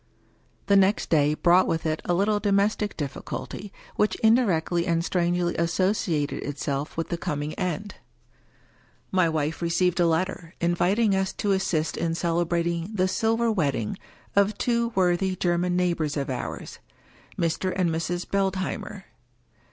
The next day brought with it a little domestic difficulty, which indirectly and strangely associated itself with the com ing end. My wife received a letter, inviting us to assist in cele brating the " Silver Wedding " of two worthy German neighbors of ours — Mr. and Mrs. Beldheimer.